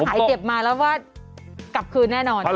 หายเจ็บมาแล้วว่ากลับคืนแน่นอน